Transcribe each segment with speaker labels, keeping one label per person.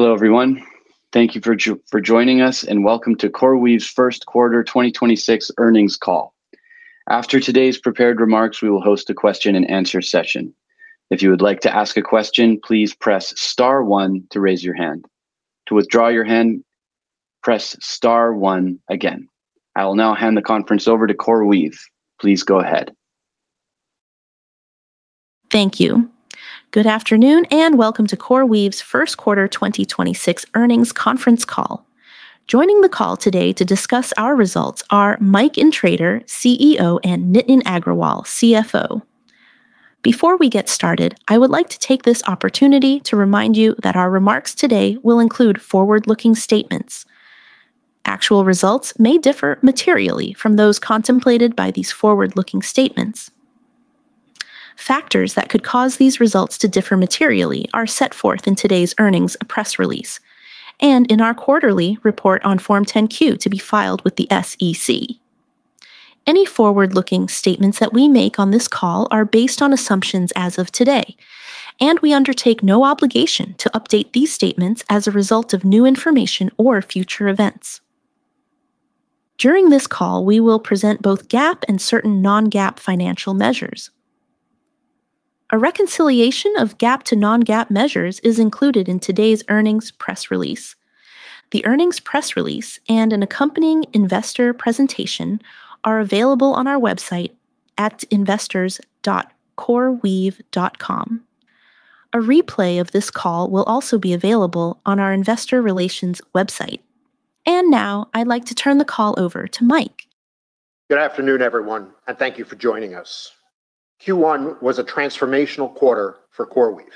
Speaker 1: Hello, everyone. Thank you for joining us, and welcome to CoreWeave's First Quarter 2026 Earnings Call. After today's prepared remarks, we will host a question-and-answer session. If you would like to ask a question, please press star one to raise your hand. To withdraw your hand, press star one again. I will now hand the conference over to CoreWeave. Please go ahead.
Speaker 2: Thank you. Good afternoon, and welcome to CoreWeave's First Quarter 2026 Earnings Conference Call. Joining the call today to discuss our results are Mike Intrator, CEO, and Nitin Agrawal, CFO. Before we get started, I would like to take this opportunity to remind you that our remarks today will include forward-looking statements. Actual results may differ materially from those contemplated by these forward-looking statements. Factors that could cause these results to differ materially are set forth in today's earnings press release and in our quarterly report on Form 10-Q to be filed with the SEC. Any forward-looking statements that we make on this call are based on assumptions as of today, and we undertake no obligation to update these statements as a result of new information or future events. During this call, we will present both GAAP and certain non-GAAP financial measures. A reconciliation of GAAP to non-GAAP measures is included in today's earnings press release. The earnings press release and an accompanying investor presentation are available on our website at investors.coreweave.com. A replay of this call will also be available on our investor relations website. Now I'd like to turn the call over to Mike.
Speaker 3: Good afternoon, everyone, and thank you for joining us. Q1 was a transformational quarter for CoreWeave.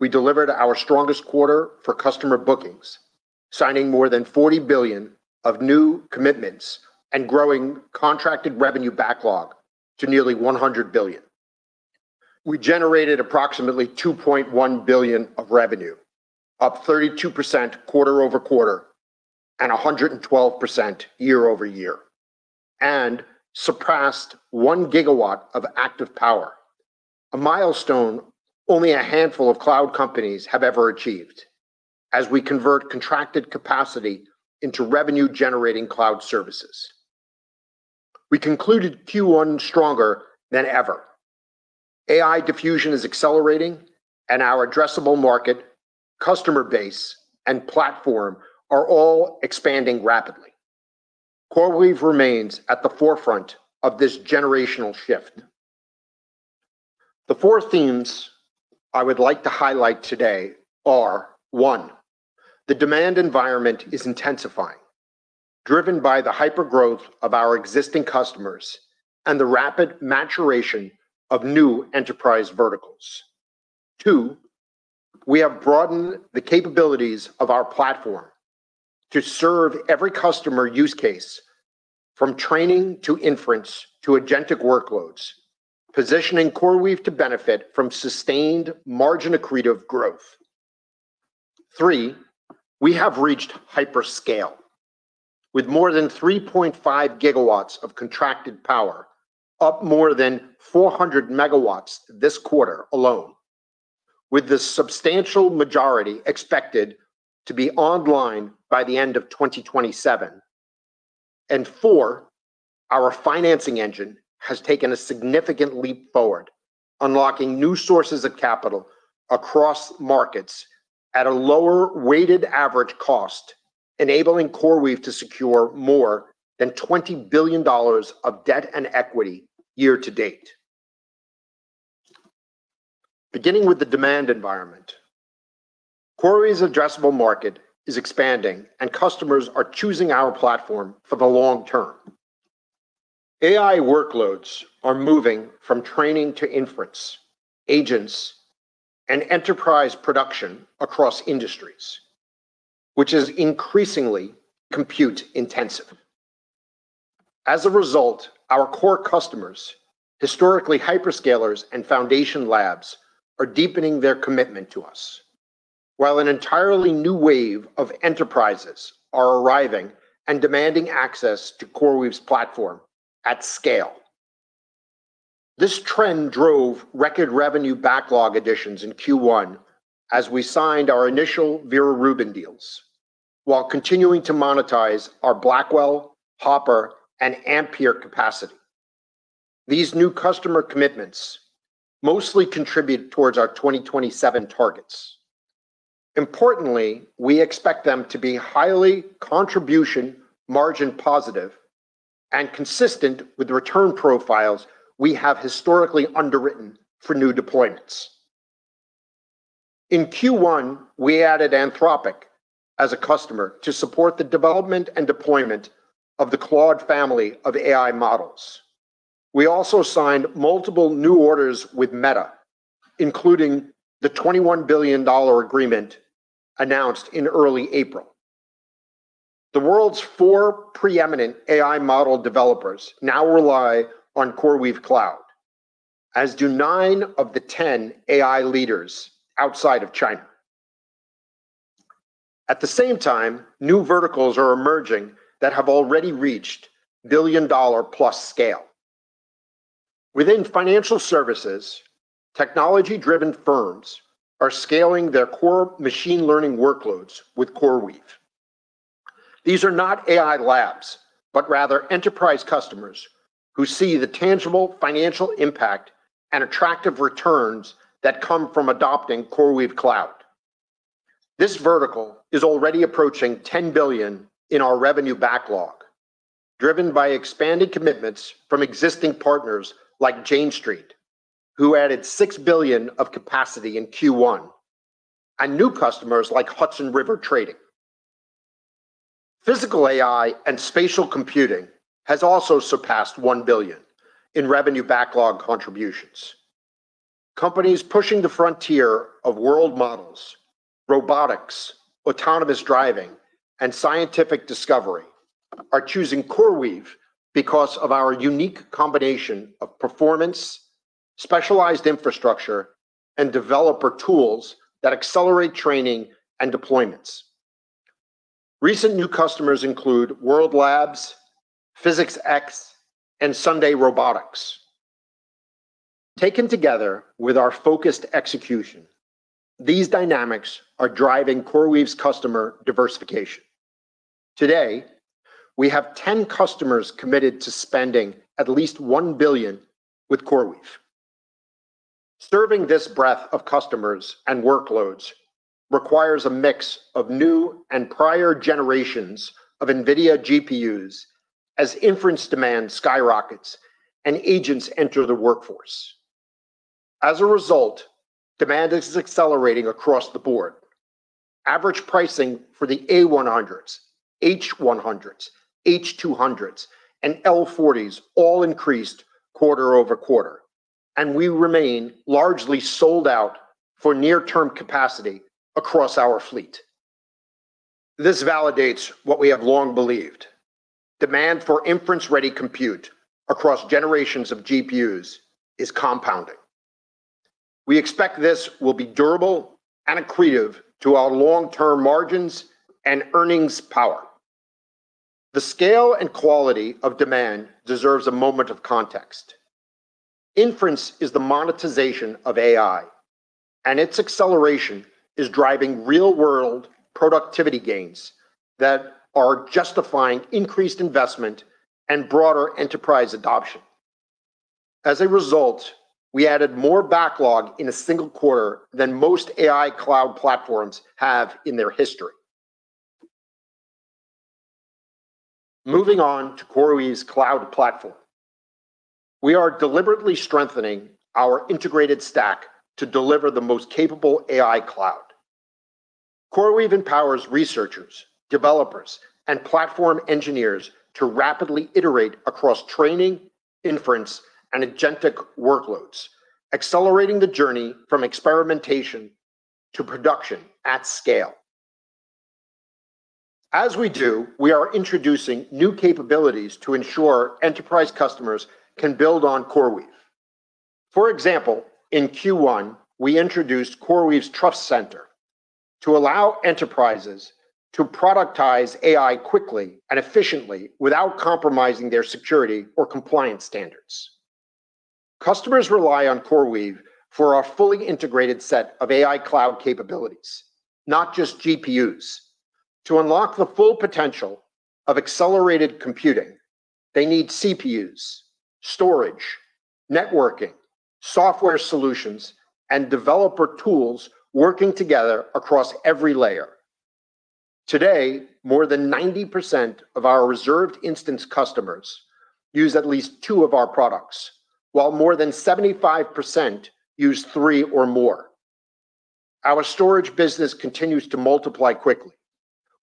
Speaker 3: We delivered our strongest quarter for customer bookings, signing more than $40 billion of new commitments and growing contracted revenue backlog to nearly $100 billion. We generated approximately $2.1 billion of revenue, up 32% quarter-over-quarter and 112% year-over-year, and surpassed 1 GW of active power, a milestone only a handful of cloud companies have ever achieved as we convert contracted capacity into revenue-generating cloud services. We concluded Q1 stronger than ever. AI diffusion is accelerating and our addressable market, customer base, and platform are all expanding rapidly. CoreWeave remains at the forefront of this generational shift. The four themes I would like to highlight today are: One, the demand environment is intensifying, driven by the hyper-growth of our existing customers and the rapid maturation of new enterprise verticals. Two, we have broadened the capabilities of our platform to serve every customer use case from training to inference to agentic workloads, positioning CoreWeave to benefit from sustained margin accretive growth. Three, we have reached hyperscale with more than 3.5 GW of contracted power, up more than 400 MW this quarter alone, with the substantial majority expected to be online by the end of 2027. Four, our financing engine has taken a significant leap forward, unlocking new sources of capital across markets at a lower weighted average cost, enabling CoreWeave to secure more than $20 billion of debt and equity year to date. Beginning with the demand environment, CoreWeave's addressable market is expanding, and customers are choosing our platform for the long term. AI workloads are moving from training to inference, agents, and enterprise production across industries, which is increasingly compute-intensive. As a result, our core customers, historically hyperscalers and foundation labs, are deepening their commitment to us, while an entirely new wave of enterprises are arriving and demanding access to CoreWeave's platform at scale. This trend drove record revenue backlog additions in Q1 as we signed our initial Vera Rubin deals while continuing to monetize our Blackwell, Hopper, and Ampere capacity. These new customer commitments mostly contribute towards our 2027 targets. Importantly, we expect them to be highly contribution margin positive and consistent with the return profiles we have historically underwritten for new deployments. In Q1, we added Anthropic as a customer to support the development and deployment of the Claude family of AI models. We also signed multiple new orders with Meta, including the $21 billion agreement announced in early April. The world's four preeminent AI model developers now rely on CoreWeave Cloud, as do nine of the 10 AI leaders outside of China. At the same time, new verticals are emerging that have already reached billion-dollar-plus scale. Within financial services, technology-driven firms are scaling their core machine learning workloads with CoreWeave. These are not AI labs, but rather enterprise customers who see the tangible financial impact and attractive returns that come from adopting CoreWeave Cloud. This vertical is already approaching $10 billion in our revenue backlog, driven by expanded commitments from existing partners like Jane Street, who added $6 billion of capacity in Q1, and new customers like Hudson River Trading. Physical AI and spatial computing has also surpassed $1 billion in revenue backlog contributions. Companies pushing the frontier of world models, robotics, autonomous driving, and scientific discovery are choosing CoreWeave because of our unique combination of performance, specialized infrastructure, and developer tools that accelerate training and deployments. Recent new customers include World Labs, PhysicsX, and Sunday Robotics. Taken together with our focused execution, these dynamics are driving CoreWeave's customer diversification. Today, we have 10 customers committed to spending at least $1 billion with CoreWeave. Serving this breadth of customers and workloads requires a mix of new and prior generations of NVIDIA GPUs as inference demand skyrockets and agents enter the workforce. As a result, demand is accelerating across the board. Average pricing for the A100s, H100s, H200s, and L40S all increased quarter-over-quarter, and we remain largely sold out for near-term capacity across our fleet. This validates what we have long believed. Demand for inference-ready compute across generations of GPUs is compounding. We expect this will be durable and accretive to our long-term margins and earnings power. The scale and quality of demand deserves a moment of context. Inference is the monetization of AI, and its acceleration is driving real-world productivity gains that are justifying increased investment and broader enterprise adoption. As a result, we added more backlog in a single quarter than most AI cloud platforms have in their history. Moving on to CoreWeave's cloud platform. We are deliberately strengthening our integrated stack to deliver the most capable AI cloud. CoreWeave empowers researchers, developers, and platform engineers to rapidly iterate across training, inference, and agentic workloads, accelerating the journey from experimentation to production at scale. As we do, we are introducing new capabilities to ensure enterprise customers can build on CoreWeave. For example, in Q1, we introduced CoreWeave's Trust Center to allow enterprises to productize AI quickly and efficiently without compromising their security or compliance standards. Customers rely on CoreWeave for our fully integrated set of AI cloud capabilities, not just GPUs. To unlock the full potential of accelerated computing, they need CPUs, storage, networking, software solutions, and developer tools working together across every layer. Today, more than 90% of our reserved instance customers use at least two of our products, while more than 75% use three or more. Our storage business continues to multiply quickly.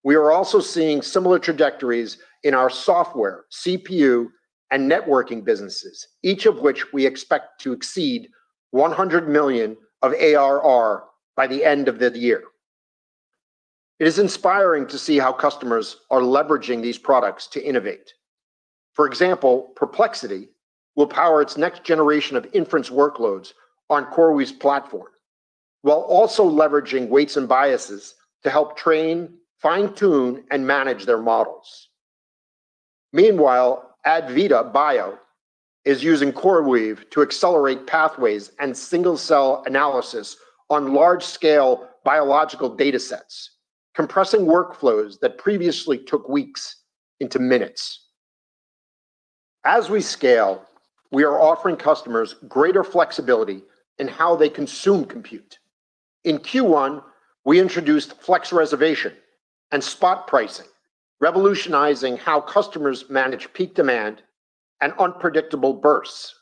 Speaker 3: We are also seeing similar trajectories in our software, CPU, and networking businesses, each of which we expect to exceed 100 million of ARR by the end of the year. It is inspiring to see how customers are leveraging these products to innovate. For example, Perplexity will power its next generation of inference workloads on CoreWeave's platform while also leveraging Weights & Biases to help train, fine-tune, and manage their models. Meanwhile, Advaita Bio is using CoreWeave to accelerate pathways and single-cell analysis on large-scale biological data sets, compressing workflows that previously took weeks into minutes. As we scale, we are offering customers greater flexibility in how they consume compute. In Q1, we introduced Flex Reservations and spot pricing, revolutionizing how customers manage peak demand and unpredictable bursts,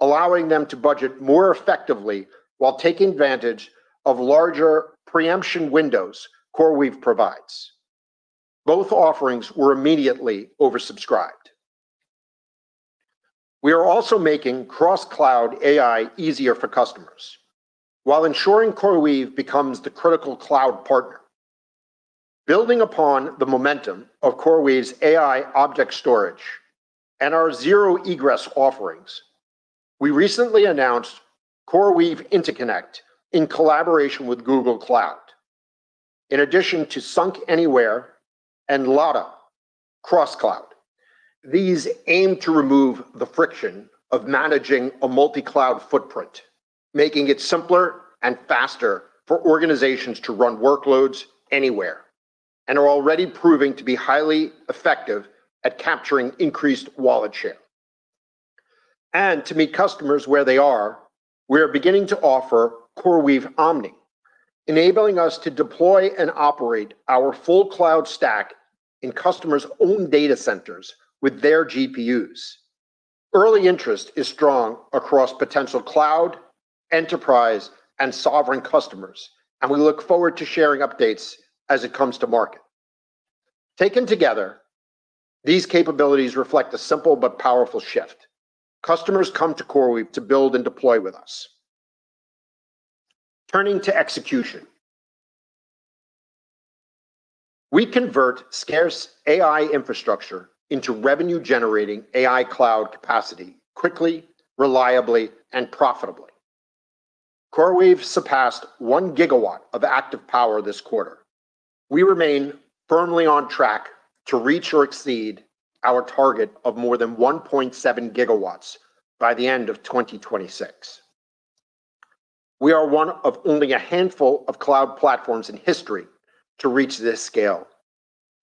Speaker 3: allowing them to budget more effectively while taking advantage of larger preemption windows CoreWeave provides. Both offerings were immediately oversubscribed. We are also making cross-cloud AI easier for customers while ensuring CoreWeave becomes the critical cloud partner. Building upon the momentum of CoreWeave's AI Object Storage and our zero-egress offerings, we recently announced CoreWeave Interconnect in collaboration with Google Cloud. In addition to SUNK Anywhere and LOTA Cross-Cloud, these aim to remove the friction of managing a multi-cloud footprint, making it simpler and faster for organizations to run workloads anywhere, and are already proving to be highly effective at capturing increased wallet share. To meet customers where they are, we are beginning to offer CoreWeave Omni, enabling us to deploy and operate our full cloud stack in customers' own data centers with their GPUs. Early interest is strong across potential cloud, enterprise, and sovereign customers, and we look forward to sharing updates as it comes to market. Taken together, these capabilities reflect a simple but powerful shift. Customers come to CoreWeave to build and deploy with us. Turning to execution. We convert scarce AI infrastructure into revenue-generating AI cloud capacity quickly, reliably, and profitably. CoreWeave surpassed 1 GW of active power this quarter. We remain firmly on track to reach or exceed our target of more than 1.7 GW by the end of 2026. We are one of only a handful of cloud platforms in history to reach this scale,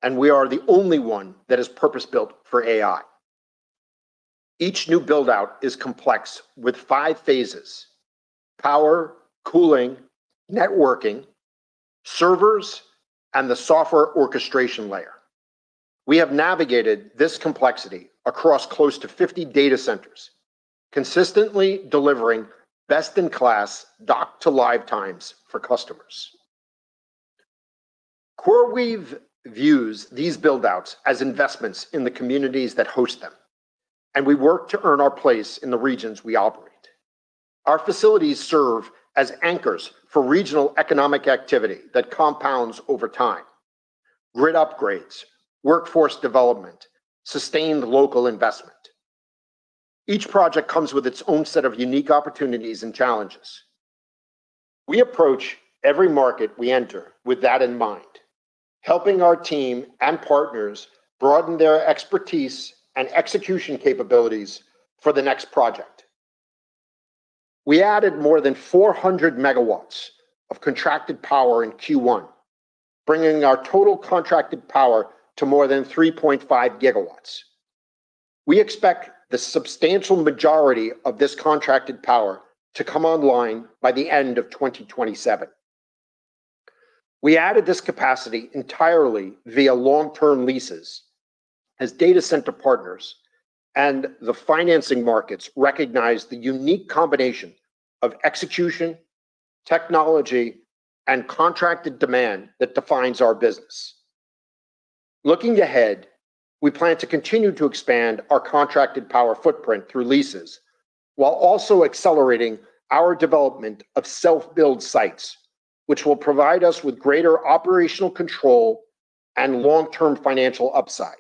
Speaker 3: and we are the only one that is purpose-built for AI. Each new build-out is complex with five phases, power, cooling, networking, servers, and the software orchestration layer. We have navigated this complexity across close to 50 data centers, consistently delivering best-in-class dock-to-live times for customers. CoreWeave views these build-outs as investments in the communities that host them, and we work to earn our place in the regions we operate. Our facilities serve as anchors for regional economic activity that compounds over time. Grid upgrades, workforce development, sustained local investment. Each project comes with its own set of unique opportunities and challenges. We approach every market we enter with that in mind, helping our team and partners broaden their expertise and execution capabilities for the next project. We added more than 400 MW of contracted power in Q1, bringing our total contracted power to more than 3.5 GW. We expect the substantial majority of this contracted power to come online by the end of 2027. We added this capacity entirely via long-term leases as data center partners and the financing markets recognize the unique combination of execution, technology, and contracted demand that defines our business. Looking ahead, we plan to continue to expand our contracted power footprint through leases while also accelerating our development of self-build sites, which will provide us with greater operational control and long-term financial upside.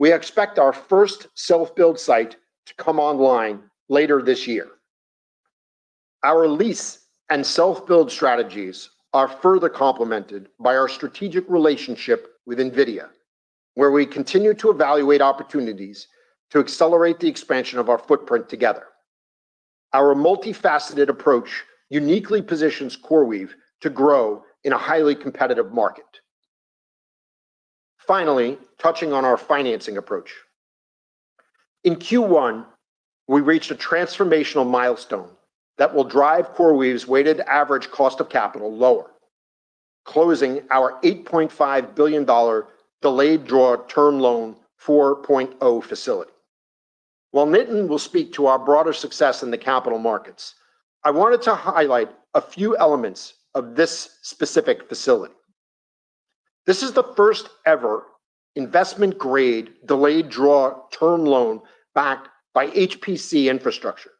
Speaker 3: We expect our first self-build site to come online later this year. Our lease and self-build strategies are further complemented by our strategic relationship with NVIDIA, where we continue to evaluate opportunities to accelerate the expansion of our footprint together. Our multifaceted approach uniquely positions CoreWeave to grow in a highly competitive market. Finally, touching on our financing approach. In Q1, we reached a transformational milestone that will drive CoreWeave's weighted average cost of capital lower, closing our $8.5 billion delayed draw term loan 4.0 facility. While Nitin will speak to our broader success in the capital markets, I wanted to highlight a few elements of this specific facility. This is the first ever investment grade delayed draw term loan backed by HPC infrastructure,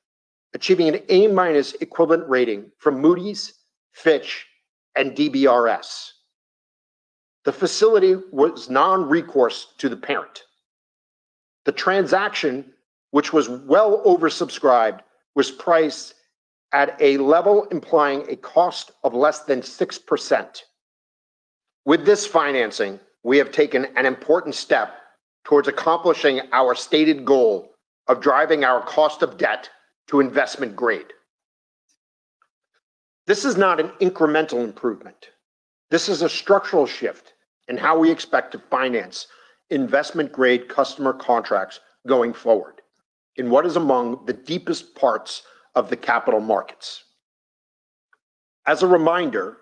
Speaker 3: achieving an A-minus equivalent rating from Moody's, Fitch, and DBRS. The facility was non-recourse to the parent. The transaction, which was well oversubscribed, was priced at a level implying a cost of less than 6%. With this financing, we have taken an important step towards accomplishing our stated goal of driving our cost of debt to investment grade. This is not an incremental improvement. This is a structural shift in how we expect to finance investment-grade customer contracts going forward in what is among the deepest parts of the capital markets. As a reminder,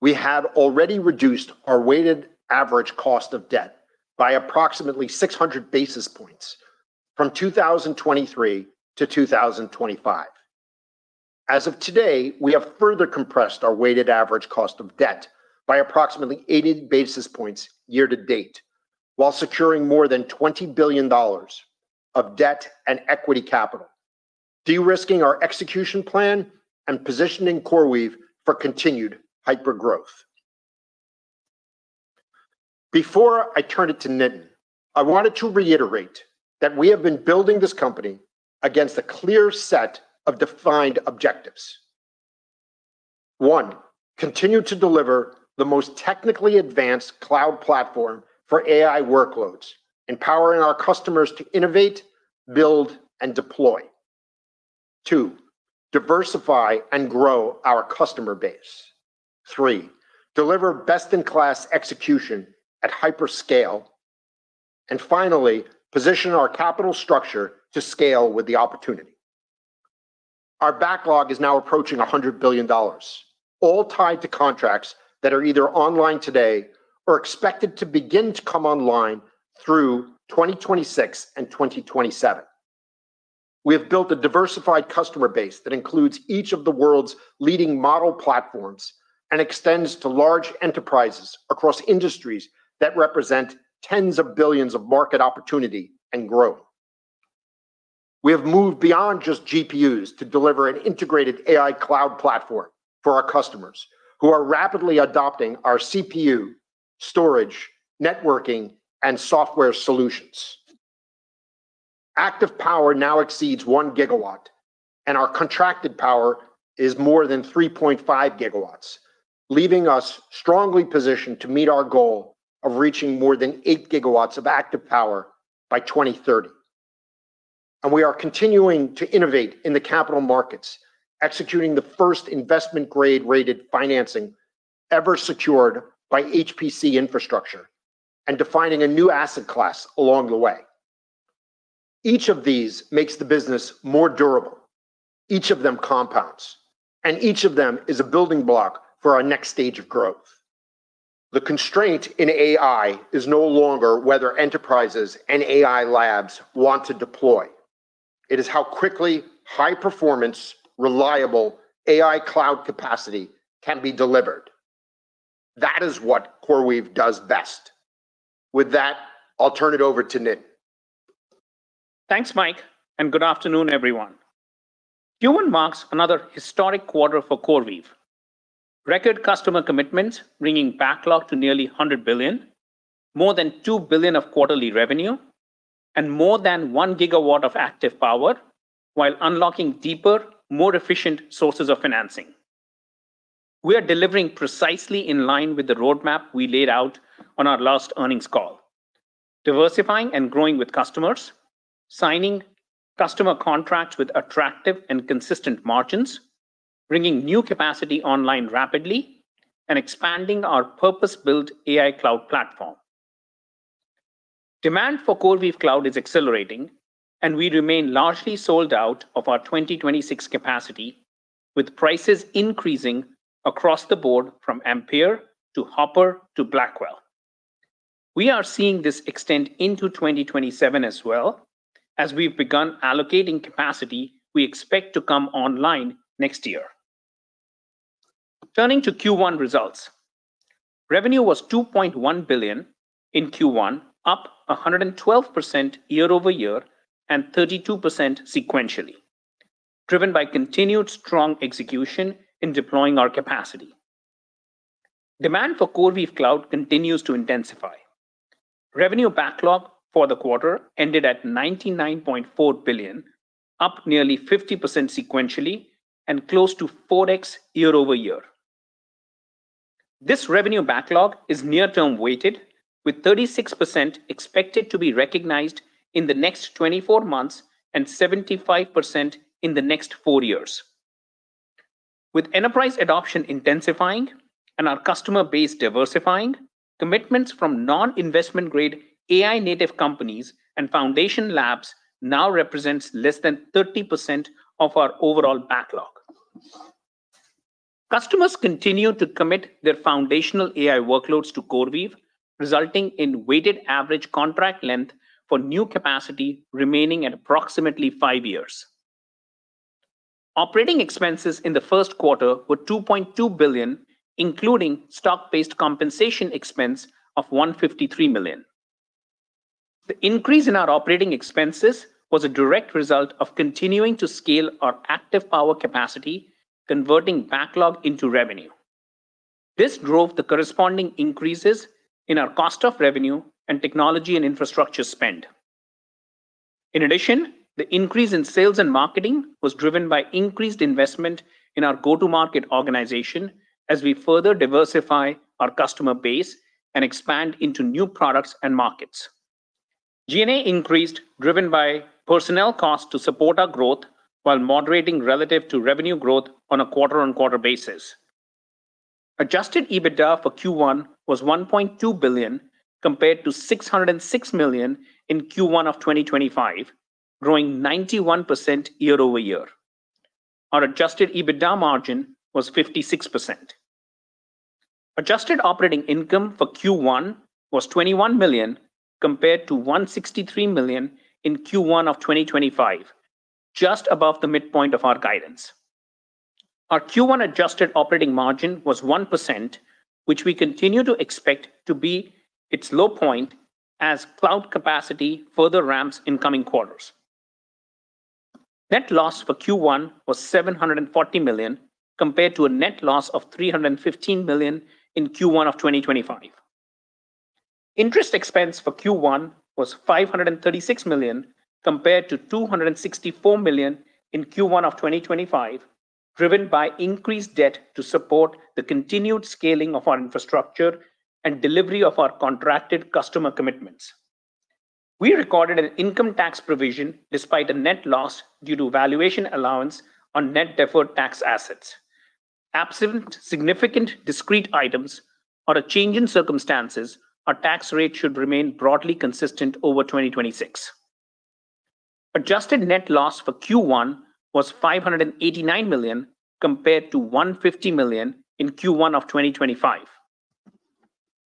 Speaker 3: we have already reduced our weighted average cost of debt by approximately 600 basis points from 2023-2025. As of today, we have further compressed our weighted average cost of debt by approximately 80 basis points year to date while securing more than $20 billion of debt and equity capital, de-risking our execution plan and positioning CoreWeave for continued hypergrowth. Before I turn it to Nitin, I wanted to reiterate that we have been building this company against a clear set of defined objectives. One, continue to deliver the most technically advanced cloud platform for AI workloads, empowering our customers to innovate, build, and deploy. Two, diversify and grow our customer base. Three, deliver best-in-class execution at hyperscale. Finally, position our capital structure to scale with the opportunity. Our backlog is now approaching $100 billion, all tied to contracts that are either online today or expected to begin to come online through 2026 and 2027. We have built a diversified customer base that includes each of the world's leading model platforms and extends to large enterprises across industries that represent tens of billions of market opportunity and growth. We have moved beyond just GPUs to deliver an integrated AI cloud platform for our customers who are rapidly adopting our CPU, storage, networking, and software solutions. Active power now exceeds 1 GW, and our contracted power is more than 3.5 GW, leaving us strongly positioned to meet our goal of reaching more than 8 GW of active power by 2030. We are continuing to innovate in the capital markets, executing the first investment grade-rated financing ever secured by HPC infrastructure and defining a new asset class along the way. Each of these makes the business more durable. Each of them compounds, and each of them is a building block for our next stage of growth. The constraint in AI is no longer whether enterprises and AI labs want to deploy. It is how quickly high performance, reliable AI cloud capacity can be delivered. That is what CoreWeave does best. With that, I'll turn it over to Nitin.
Speaker 4: Thanks, Mike, and good afternoon, everyone. Q1 marks another historic quarter for CoreWeave. Record customer commitments, bringing backlog to nearly 100 billion, more than 2 billion of quarterly revenue, and more than 1 GW of active power, while unlocking deeper, more efficient sources of financing. We are delivering precisely in line with the roadmap we laid out on our last earnings call. Diversifying and growing with customers, signing customer contracts with attractive and consistent margins, bringing new capacity online rapidly, and expanding our purpose-built AI cloud platform. Demand for CoreWeave cloud is accelerating, and we remain largely sold out of our 2026 capacity, with prices increasing across the board from Ampere to Hopper to Blackwell. We are seeing this extend into 2027 as well as we've begun allocating capacity we expect to come online next year. Turning to Q1 results. Revenue was $2.1 billion in Q1, up 112% year-over-year and 32% sequentially, driven by continued strong execution in deploying our capacity. Demand for CoreWeave cloud continues to intensify. Revenue backlog for the quarter ended at $99.4 billion, up nearly 50% sequentially and close to 4x year-over-year. This revenue backlog is near-term weighted, with 36% expected to be recognized in the next 24 months and 75% in the next four years. With enterprise adoption intensifying and our customer base diversifying, commitments from non-investment grade AI native companies and foundation labs now represents less than 30% of our overall backlog. Customers continue to commit their foundational AI workloads to CoreWeave, resulting in weighted average contract length for new capacity remaining at approximately five years. Operating expenses in the first quarter were $2.2 billion, including stock-based compensation expense of $153 million. The increase in our operating expenses was a direct result of continuing to scale our active power capacity, converting backlog into revenue. This drove the corresponding increases in our cost of revenue and technology and infrastructure spend. In addition, the increase in sales and marketing was driven by increased investment in our go-to-market organization as we further diversify our customer base and expand into new products and markets. G&A increased, driven by personnel costs to support our growth while moderating relative to revenue growth on a quarter-on-quarter basis. Adjusted EBITDA for Q1 was $1.2 billion compared to $606 million in Q1 of 2025, growing 91% year-over-year. Our adjusted EBITDA margin was 56%. Adjusted operating income for Q1 was $21 million compared to $163 million in Q1 of 2025, just above the midpoint of our guidance. Our Q1 adjusted operating margin was 1%, which we continue to expect to be its low point as cloud capacity further ramps in coming quarters. Net loss for Q1 was $740 million compared to a net loss of $315 million in Q1 of 2022. Interest expense for Q1 was $536 million compared to $264 million in Q1 of 2025, driven by increased debt to support the continued scaling of our infrastructure and delivery of our contracted customer commitments. We recorded an income tax provision despite a net loss due to valuation allowance on net deferred tax assets. Absent significant discrete items or a change in circumstances, our tax rate should remain broadly consistent over 2026. Adjusted net loss for Q1 was $589 million compared to $150 million in Q1 of 2025.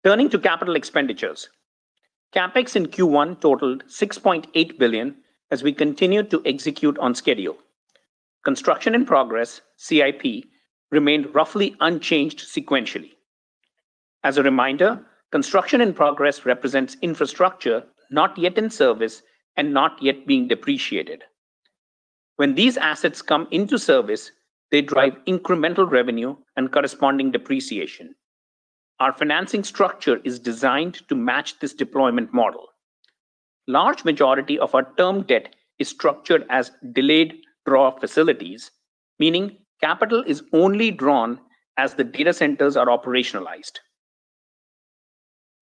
Speaker 4: Turning to capital expenditures. CapEx in Q1 totaled $6.8 billion as we continued to execute on schedule. Construction in progress, CIP, remained roughly unchanged sequentially. As a reminder, construction in progress represents infrastructure not yet in service and not yet being depreciated. When these assets come into service, they drive incremental revenue and corresponding depreciation. Our financing structure is designed to match this deployment model. Large majority of our term debt is structured as delayed draw facilities, meaning capital is only drawn as the data centers are operationalized.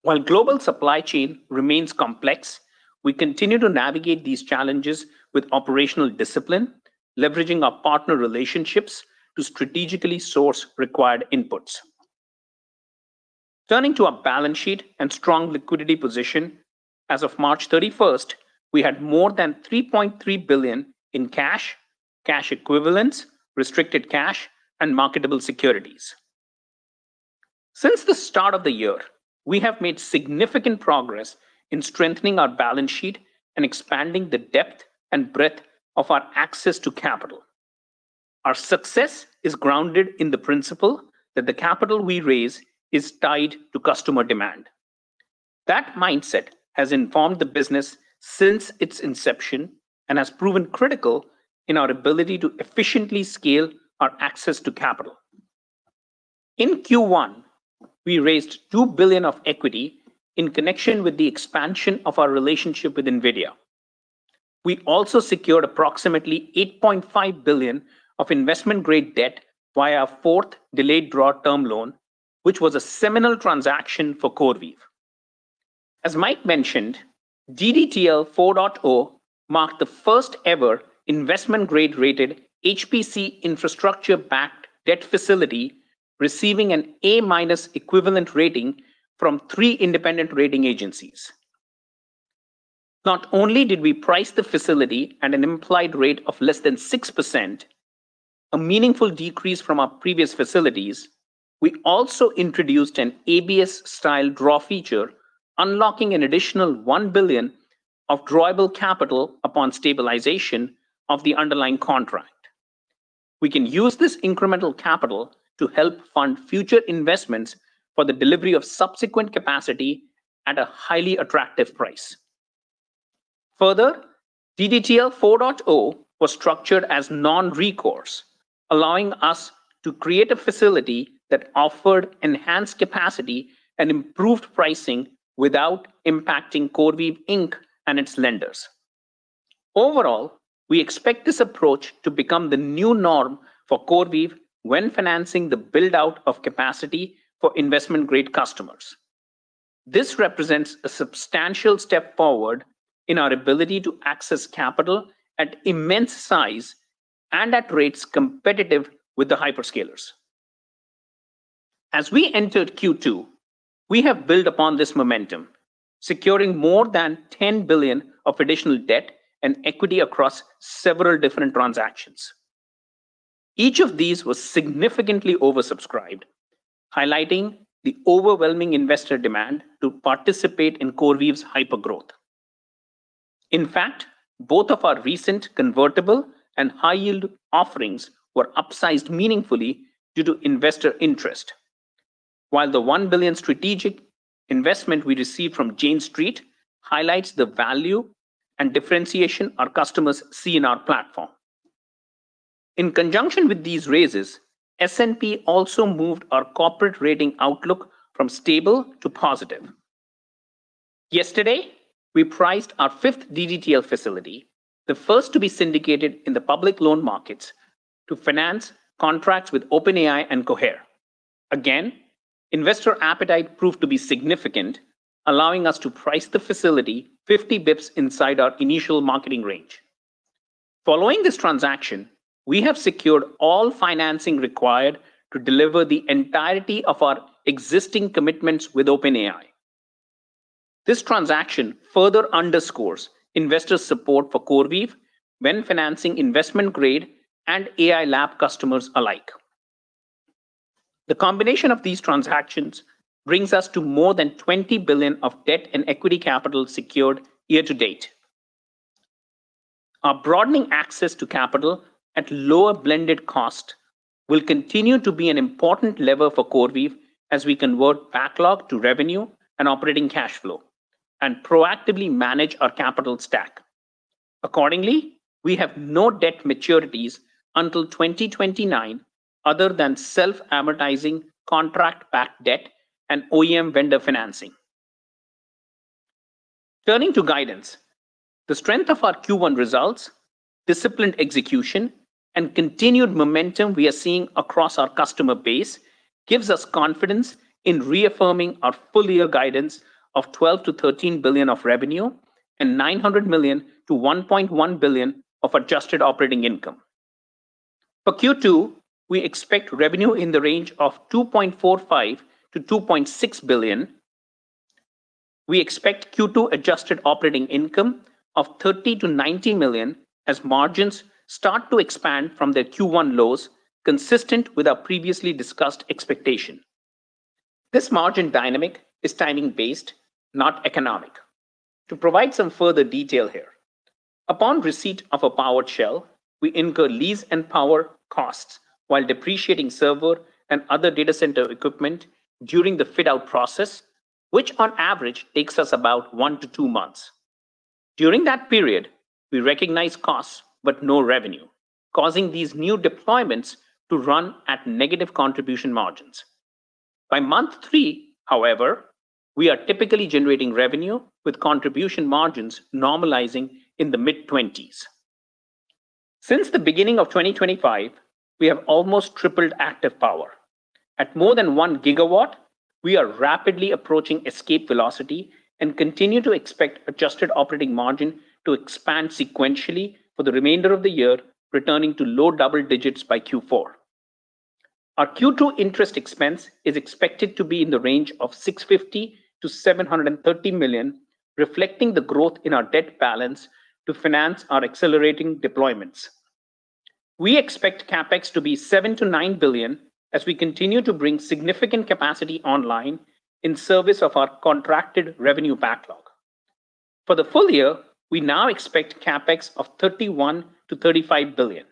Speaker 4: While global supply chain remains complex, we continue to navigate these challenges with operational discipline, leveraging our partner relationships to strategically source required inputs. Turning to our balance sheet and strong liquidity position, as of March 31st, we had more than $3.3 billion in cash equivalents, restricted cash, and marketable securities. Since the start of the year, we have made significant progress in strengthening our balance sheet and expanding the depth and breadth of our access to capital. Our success is grounded in the principle that the capital we raise is tied to customer demand. That mindset has informed the business since its inception and has proven critical in our ability to efficiently scale our access to capital. In Q1, we raised $2 billion of equity in connection with the expansion of our relationship with NVIDIA. We also secured approximately $8.5 billion of investment-grade debt via our fourth delayed draw term loan, which was a seminal transaction for CoreWeave. As Mike mentioned, DDTL 4.0 marked the first ever investment-grade rated HPC infrastructure-backed debt facility receiving an A- equivalent rating from three independent rating agencies. Not only did we price the facility at an implied rate of less than 6%, a meaningful decrease from our previous facilities, we also introduced an ABS-style draw feature, unlocking an additional $1 billion of drawable capital upon stabilization of the underlying contract. We can use this incremental capital to help fund future investments for the delivery of subsequent capacity at a highly attractive price. Further, DDTL 4.0 was structured as non-recourse, allowing us to create a facility that offered enhanced capacity and improved pricing without impacting CoreWeave Inc. and its lenders. Overall, we expect this approach to become the new norm for CoreWeave when financing the build-out of capacity for investment-grade customers. This represents a substantial step forward in our ability to access capital at immense size and at rates competitive with the hyperscalers. As we entered Q2, we have built upon this momentum, securing more than $10 billion of additional debt and equity across several different transactions. Each of these was significantly oversubscribed, highlighting the overwhelming investor demand to participate in CoreWeave's hypergrowth. In fact, both of our recent convertible and high-yield offerings were upsized meaningfully due to investor interest. The one billion strategic investment we received from Jane Street highlights the value and differentiation our customers see in our platform. In conjunction with these raises, S&P also moved our corporate rating outlook from stable to positive. Yesterday, we priced our fifth DDTL facility, the first to be syndicated in the public loan market, to finance contracts with OpenAI and Cohere. Again, investor appetite proved to be significant, allowing us to price the facility 50 basis points inside our initial marketing range. Following this transaction, we have secured all financing required to deliver the entirety of our existing commitments with OpenAI. This transaction further underscores investor support for CoreWeave when financing investment-grade and AI lab customers alike. The combination of these transactions brings us to more than $20 billion of debt and equity capital secured year to-date. Our broadening access to capital at lower blended cost will continue to be an important lever for CoreWeave as we convert backlog to revenue and operating cash flow. Proactively manage our capital stack. Accordingly, we have no debt maturities until 2029 other than self-amortizing contract-backed debt and OEM vendor financing. Turning to guidance. The strength of our Q1 results, disciplined execution, and continued momentum we are seeing across our customer base gives us confidence in reaffirming our full-year guidance of $12 billion-$13 billion of revenue and $900 million-$1.1 billion of adjusted operating income. For Q2, we expect revenue in the range of $2.45 billion-$2.6 billion. We expect Q2 adjusted operating income of $30 million-$90 million as margins start to expand from their Q1 lows, consistent with our previously discussed expectation. This margin dynamic is timing-based, not economic. To provide some further detail here, upon receipt of a powered shell, we incur lease and power costs while depreciating server and other data center equipment during the fit-out process, which on average takes us about one-two months. During that period, we recognize costs but no revenue, causing these new deployments to run at negative contribution margins. By month three, however, we are typically generating revenue, with contribution margins normalizing in the mid-20s. Since the beginning of 2025, we have almost tripled active power. At more than 1 GW, we are rapidly approaching escape velocity and continue to expect adjusted operating margin to expand sequentially for the remainder of the year, returning to low double digits by Q4. Our Q2 interest expense is expected to be in the range of $650 million-$730 million, reflecting the growth in our debt balance to finance our accelerating deployments. We expect CapEx to be $7 billion-$9 billion as we continue to bring significant capacity online in service of our contracted revenue backlog. For the full year, we now expect CapEx of $31 billion-$35 billion.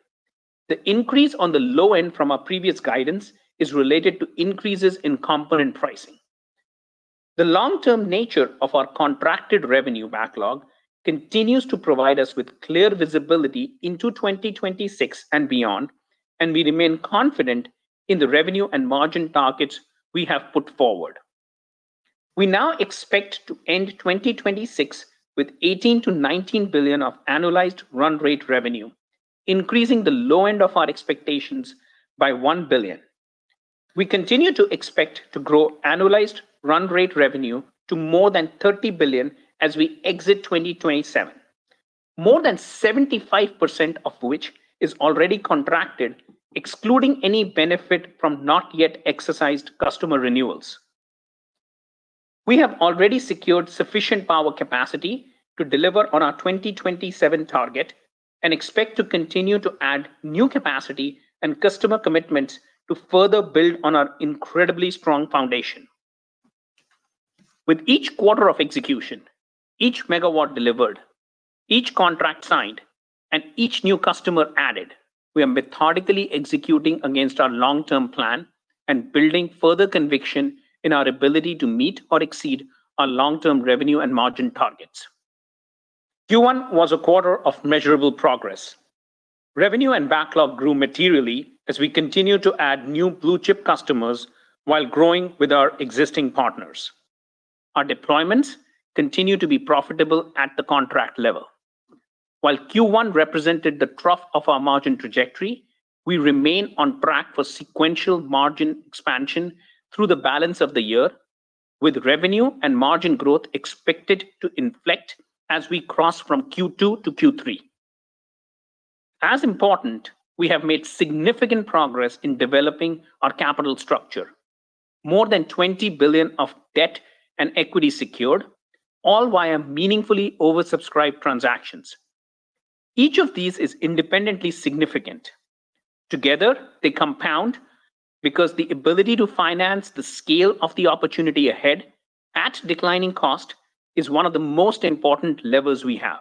Speaker 4: The increase on the low end from our previous guidance is related to increases in component pricing. The long-term nature of our contracted revenue backlog continues to provide us with clear visibility into 2026 and beyond, and we remain confident in the revenue and margin targets we have put forward. We now expect to end 2026 with $18 billion-$19 billion of annualized run rate revenue, increasing the low end of our expectations by $1 billion. We continue to expect to grow annualized run rate revenue to more than 30 billion as we exit 2027. More than 75% of which is already contracted, excluding any benefit from not yet exercised customer renewals. We have already secured sufficient power capacity to deliver on our 2027 target and expect to continue to add new capacity and customer commitments to further build on our incredibly strong foundation. With each quarter of execution, each megawatt delivered, each contract signed, and each new customer added, we are methodically executing against our long-term plan and building further conviction in our ability to meet or exceed our long-term revenue and margin targets. Q1 was a quarter of measurable progress. Revenue and backlog grew materially as we continue to add new blue-chip customers while growing with our existing partners. Our deployments continue to be profitable at the contract level. While Q1 represented the trough of our margin trajectory, we remain on track for sequential margin expansion through the balance of the year, with revenue and margin growth expected to inflect as we cross from Q2-Q3. As important, we have made significant progress in developing our capital structure. More than $20 billion of debt and equity secured, all via meaningfully oversubscribed transactions. Each of these is independently significant. Together, they compound because the ability to finance the scale of the opportunity ahead at declining cost is one of the most important levers we have.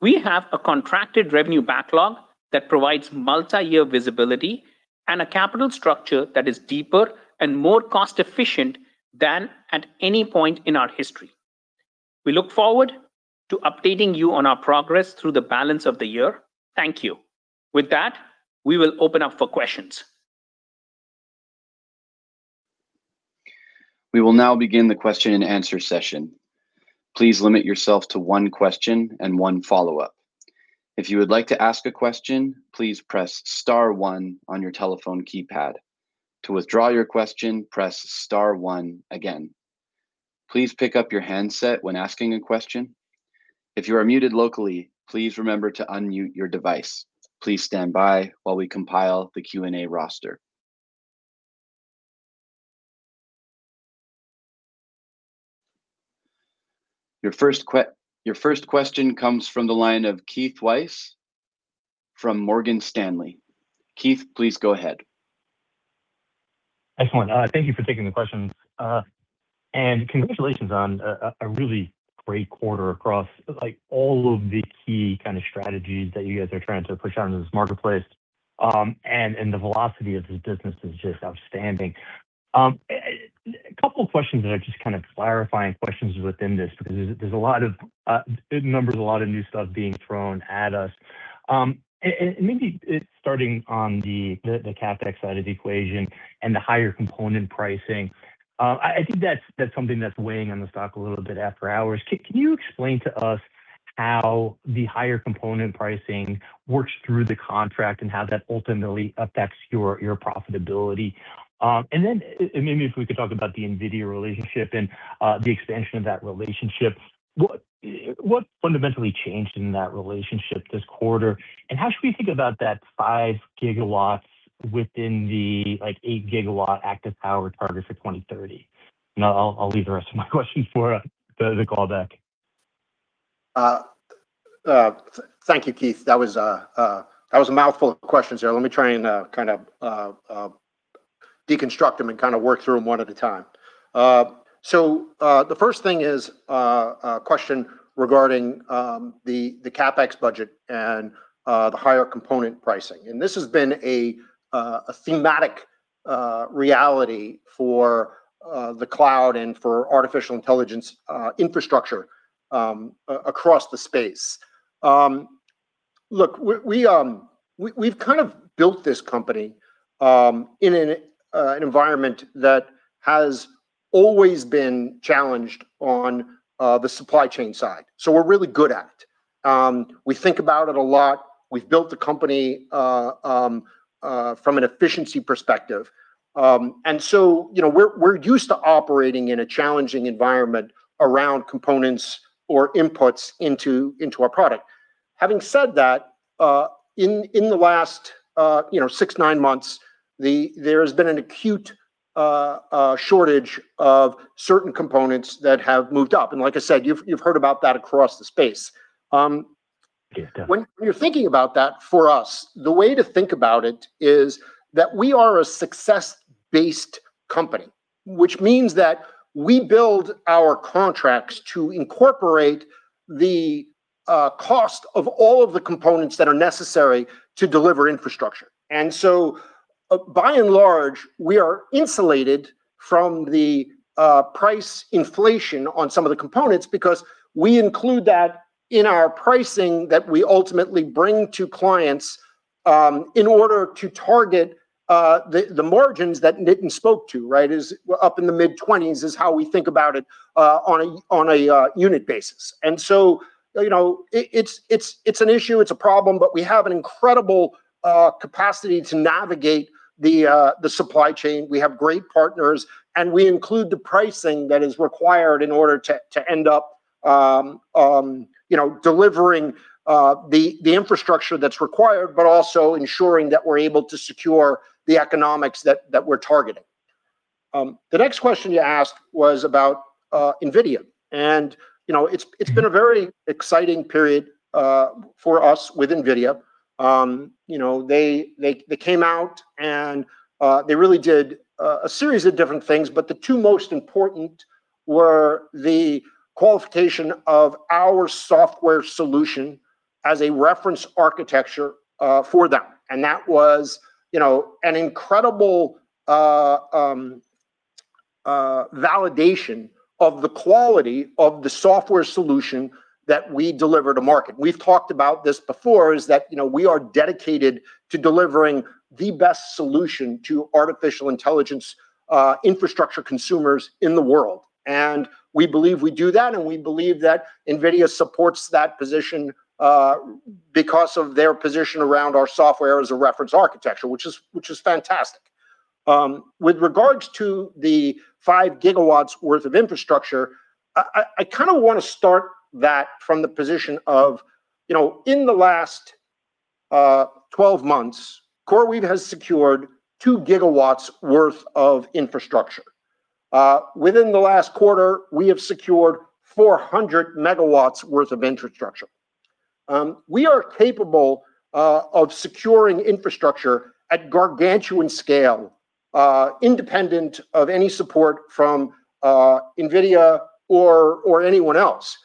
Speaker 4: We have a contracted revenue backlog that provides multi-year visibility and a capital structure that is deeper and more cost efficient than at any point in our history. We look forward to updating you on our progress through the balance of the year. Thank you. With that, we will open up for questions.
Speaker 1: We will now begin the question-and-answer session. Please limit yourself to one question and one follow-up. If you would like to ask a question, please press star one on your telephone keypad. To withdraw your question, press star one again. Please pick up your handset when asking a question. If you are muted locally, please remember to unmute your device. Please stand by while we compile the Q&A roster. Your first question comes from the line of Keith Weiss from Morgan Stanley. Keith, please go ahead.
Speaker 5: Excellent. Thank you for taking the questions. Congratulations on a really great quarter across, like, all of the key kind of strategies that you guys are trying to push out into this marketplace. The velocity of the business is just outstanding. A couple questions that are just kind of clarifying questions within this, because there's a lot of big numbers, a lot of new stuff being thrown at us. Maybe starting on the CapEx side of the equation and the higher component pricing, I think that's something that's weighing on the stock a little bit after hours. Can you explain to us how the higher component pricing works through the contract and how that ultimately affects your profitability? Maybe if we could talk about the NVIDIA relationship and the expansion of that relationship. What fundamentally changed in that relationship this quarter? How should we think about that 5 GW within the, like, 8 GW active power target for 2030? I'll leave the rest of my questions for the call deck.
Speaker 3: Thank you, Keith. That was a mouthful of questions there. Let me try and kind of deconstruct them and kind of work through them one at a time. The first thing is a question regarding the CapEx budget and the higher component pricing, and this has been a thematic reality for the cloud and for artificial intelligence infrastructure across the space. Look, we've kind of built this company in an environment that has always been challenged on the supply chain side, so we're really good at it. We think about it a lot. We've built the company from an efficiency perspective. You know, we're used to operating in a challenging environment around components or inputs into our product. Having said that, in the last, you know, six-nine months, there's been an acute shortage of certain components that have moved up, and like I said, you've heard about that across the space.
Speaker 5: Yeah, definitely
Speaker 6: When you're thinking about that, for us, the way to think about it is that we are a success-based company, which means that we build our contracts to incorporate the cost of all of the components that are necessary to deliver infrastructure. And so, by and large, we are insulated from the price inflation on some of the components because we include that in our pricing that we ultimately bring to clients, in order to target the margins that Nitin spoke to, right? Is, up in the mid 20s is how we think about it, on a unit basis. you know, it's an issue, it's a problem, but we have an incredible capacity to navigate the supply chain.
Speaker 3: We have great partners, and we include the pricing that is required in order to end up, you know, delivering the infrastructure that's required, but also ensuring that we're able to secure the economics that we're targeting. The next question you asked was about NVIDIA. You know, it's been a very exciting period for us with NVIDIA. You know, they came out and they really did a series of different things, but the two most important were the qualification of our software solution as a reference architecture for them. That was, you know, an incredible validation of the quality of the software solution that we deliver to market. We've talked about this before, is that, you know, we are dedicated to delivering the best solution to artificial intelligence, infrastructure consumers in the world. We believe we do that, and we believe that NVIDIA supports that position, because of their position around our software as a reference architecture, which is fantastic. With regards to the 5 GW worth of infrastructure, I kinda wanna start that from the position of, you know, in the last 12 months, CoreWeave has secured 2 GW worth of infrastructure. Within the last quarter, we have secured 400 MW worth of infrastructure. We are capable of securing infrastructure at gargantuan scale, independent of any support from NVIDIA or anyone else.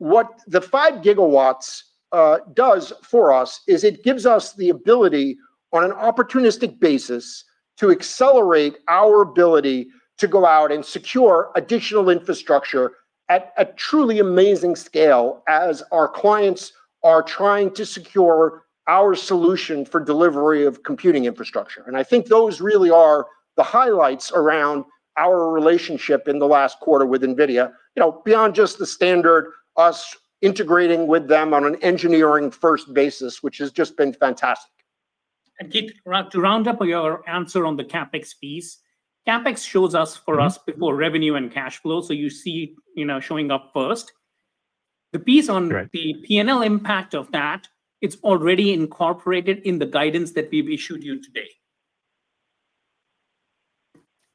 Speaker 3: What the 5 GW does for us is it gives us the ability on an opportunistic basis to accelerate our ability to go out and secure additional infrastructure at a truly amazing scale as our clients are trying to secure our solution for delivery of computing infrastructure. I think those really are the highlights around our relationship in the last quarter with NVIDIA. You know, beyond just the standard us integrating with them on an engineering first basis, which has just been fantastic.
Speaker 4: Keith, to round up your answer on the CapEx piece, CapEx shows us, for us, before revenue and cash flow, so you see, you know, showing up first. The piece on-
Speaker 5: Right
Speaker 6: The P&L impact of that, it's already incorporated in the guidance that we've issued you today.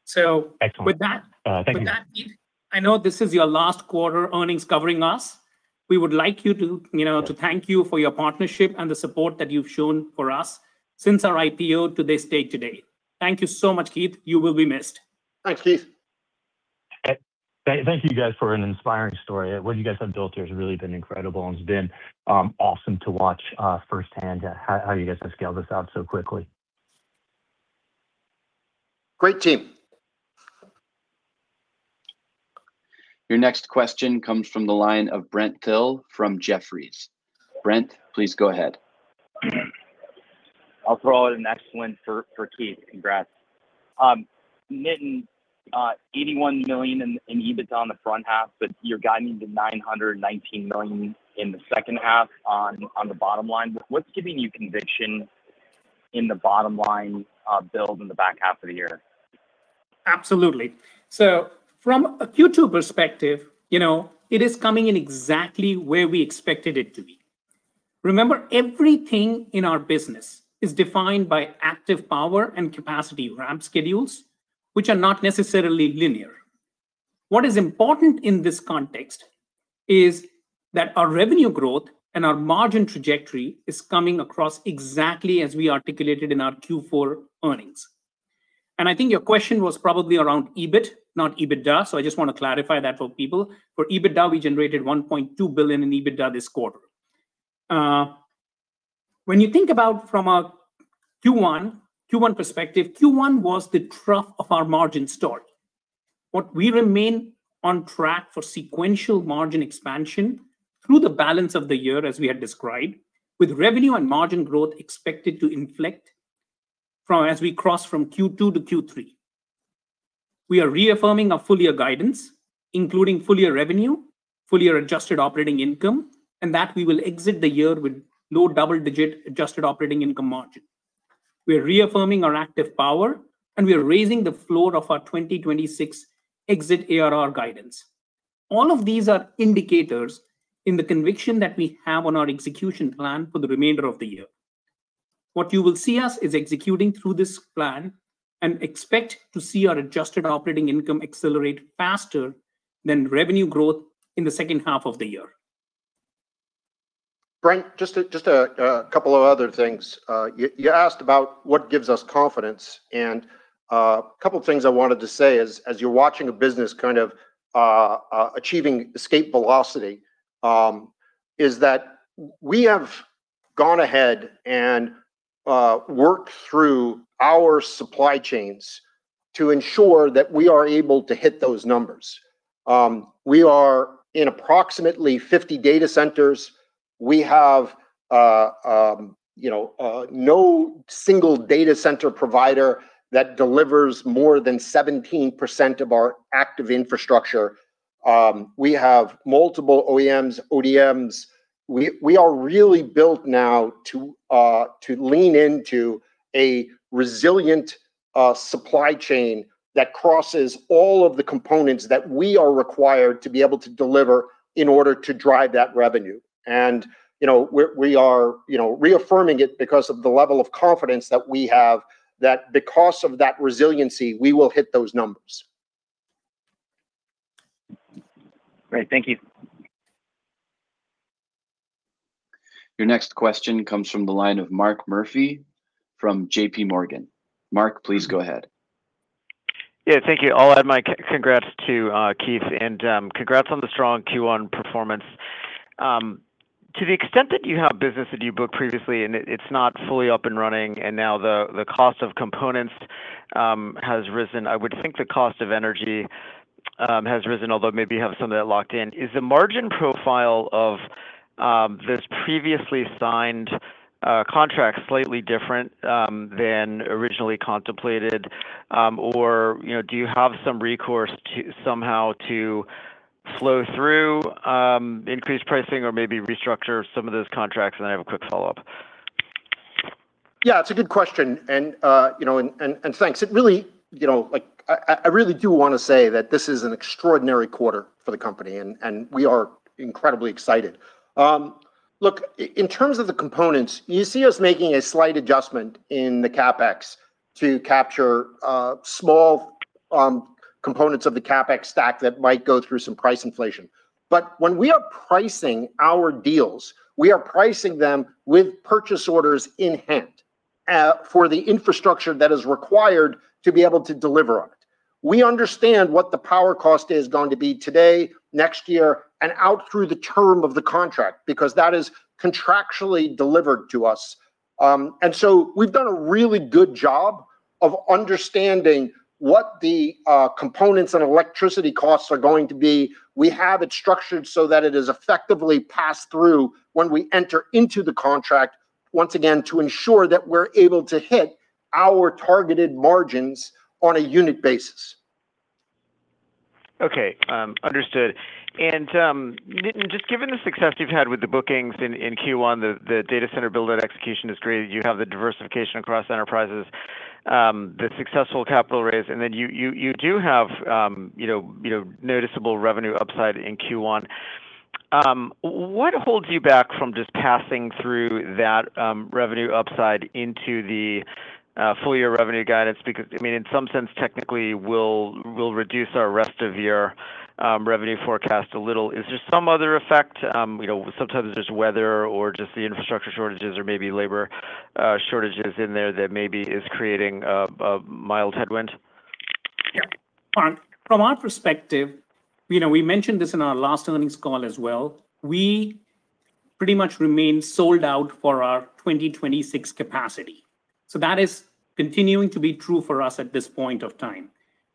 Speaker 5: Excellent
Speaker 4: with that-
Speaker 5: Thank you.
Speaker 4: With that, Keith, I know this is your last quarter earnings covering us. We would like you to, you know, to thank you for your partnership and the support that you've shown for us since our IPO to this day today. Thank you so much, Keith. You will be missed.
Speaker 3: Thanks, Keith.
Speaker 5: Thank you guys for an inspiring story. What you guys have built here has really been incredible, and it's been awesome to watch firsthand how you guys have scaled this out so quickly.
Speaker 3: Great team.
Speaker 1: Your next question comes from the line of Brent Thill from Jefferies. Brent, please go ahead.
Speaker 7: I'll throw out an excellent for Keith. Congrats. Nitin, $81 million in EBITDA on the front half, but you're guiding the $919 million in the second half on the bottom line. What's giving you conviction in the bottom line build in the back half of the year?
Speaker 4: Absolutely. From a Q2 perspective, you know, it is coming in exactly where we expected it to be. Remember, everything in our business is defined by active power and capacity ramp schedules, which are not necessarily linear. What is important in this context is that our revenue growth and our margin trajectory is coming across exactly as we articulated in our Q4 earnings. I think your question was probably around EBIT, not EBITDA, so I just want to clarify that for people. For EBITDA, we generated $1.2 billion in EBITDA this quarter. When you think about from a Q1 perspective, Q1 was the trough of our margin story. What we remain on track for sequential margin expansion through the balance of the year as we had described, with revenue and margin growth expected to inflect from as we cross from Q2-Q3. We are reaffirming our full year guidance, including full year revenue, full year adjusted operating income, and that we will exit the year with low double-digit adjusted operating income margin. We are reaffirming our active power, and we are raising the floor of our 2026 exit ARR guidance. All of these are indicators in the conviction that we have on our execution plan for the remainder of the year. What you will see us is executing through this plan and expect to see our adjusted operating income accelerate faster than revenue growth in the second half of the year.
Speaker 3: Brent, just a couple of other things. You asked about what gives us confidence, and a couple of things I wanted to say is, as you're watching a business kind of achieving escape velocity, is that we have gone ahead and worked through our supply chains to ensure that we are able to hit those numbers. We are in approximately 50 data centers. We have, you know, no single data center provider that delivers more than 17% of our active infrastructure. We have multiple OEMs, ODMs. We are really built now to lean into a resilient supply chain that crosses all of the components that we are required to be able to deliver in order to drive that revenue. You know, we are, you know, reaffirming it because of the level of confidence that we have that because of that resiliency, we will hit those numbers.
Speaker 7: Great. Thank you.
Speaker 1: Your next question comes from the line of Mark Murphy from JPMorgan. Mark, please go ahead.
Speaker 8: Yeah. Thank you. I'll add my congrats to Keith, and congrats on the strong Q1 performance. To the extent that you have business that you booked previously and it's not fully up and running and now the cost of components has risen, I would think the cost of energy has risen, although maybe you have some of that locked in. Is the margin profile of this previously signed contract slightly different than originally contemplated? Or, you know, do you have some recourse to somehow flow through increased pricing or maybe restructure some of those contracts? I have a quick follow-up.
Speaker 3: Yeah, it's a good question and, you know, and thanks. It really, you know, like I really do wanna say that this is an extraordinary quarter for the company, and we are incredibly excited. Look, in terms of the components, you see us making a slight adjustment in the CapEx to capture, small, components of the CapEx stack that might go through some price inflation. When we are pricing our deals, we are pricing them with purchase orders in hand, for the infrastructure that is required to be able to deliver on it. We understand what the power cost is going to be today, next year, and out through the term of the contract, because that is contractually delivered to us. We've done a really good job of understanding what the components and electricity costs are going to be. We have it structured so that it is effectively passed through when we enter into the contract, once again, to ensure that we're able to hit our targeted margins on a unit basis.
Speaker 8: Understood. Nitin, just given the success you've had with the bookings in Q1, the data center build-out execution is great. You have the diversification across enterprises, the successful capital raise, and then you do have, you know, noticeable revenue upside in Q1. What holds you back from just passing through that revenue upside into the full year revenue guidance? Because I mean, in some sense, technically we'll reduce our rest of year-revenue forecast a little. Is there some other effect? You know, sometimes there's weather or just the infrastructure shortages or maybe labor shortages in there that maybe is creating a mild headwind?
Speaker 4: From our perspective, you know, we mentioned this in our last earnings call as well. We pretty much remain sold out for our 2026 capacity. That is continuing to be true for us at this point of time.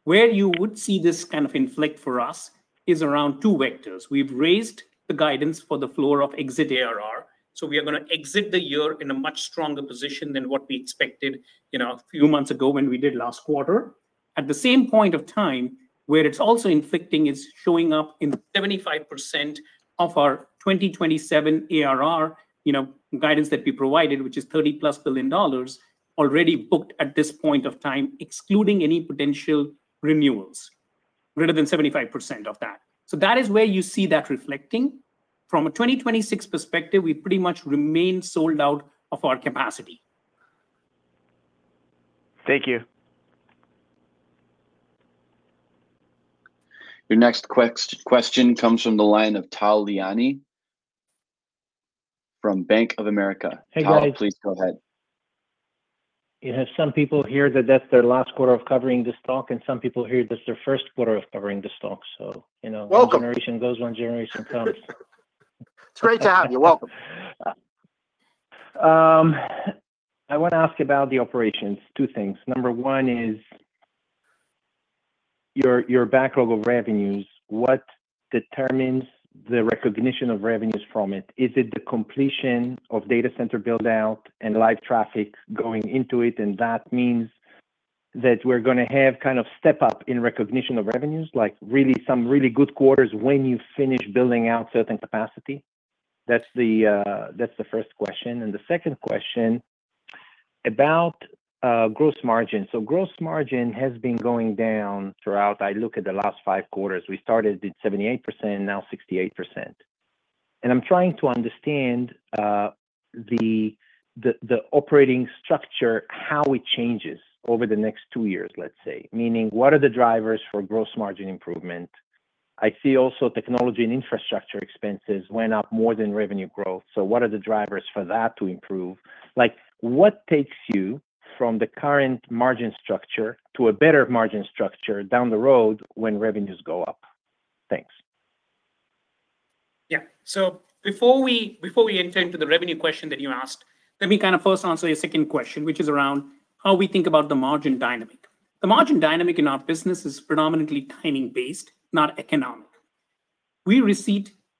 Speaker 4: Where you would see this kind of inflection for us is around two vectors. We've raised the guidance for the floor of exit ARR, so we are gonna exit the year in a much stronger position than what we expected, you know, a few months ago when we did last quarter. At the same point of time, where it's also inflecting, it's showing up in 75% of our 2027 ARR, you know, guidance that we provided, which is $30+ billion already booked at this point of time, excluding any potential renewals, greater than 75% of that. That is where you see that reflecting. From a 2026 perspective, we pretty much remain sold out of our capacity.
Speaker 8: Thank you.
Speaker 1: Your next question comes from the line of Tal Liani from Bank of America.
Speaker 9: Hey, guys.
Speaker 1: Tal, please go ahead.
Speaker 9: You have some people here that their last quarter of covering the stock, and some people here, that's their first quarter of covering the stock.
Speaker 4: Welcome
Speaker 9: One generation goes, one generation comes.
Speaker 4: It's great to have you. Welcome.
Speaker 9: I wanna ask about the operations, two things. Number one is your backlog of revenues. What determines the recognition of revenues from it? Is it the completion of data center build-out and live traffic going into it, and that means that we're gonna have kind of step up in recognition of revenues, like really some really good quarters when you finish building out certain capacity? That's the first question. The second question about gross margin. Gross margin has been going down throughout. I look at the last five quarters. We started at 78%, now 68%. I'm trying to understand the operating structure, how it changes over the next two years, let's say. Meaning, what are the drivers for gross margin improvement? I see also technology and infrastructure expenses went up more than revenue growth, so what are the drivers for that to improve? Like, what takes you from the current margin structure to a better margin structure down the road when revenues go up? Thanks.
Speaker 4: Yeah. Before we enter into the revenue question that you asked, let me kind of first answer your second question, which is around how we think about the margin dynamic. The margin dynamic in our business is predominantly timing-based, not economic. We,